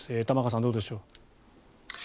玉川さん、どうでしょう。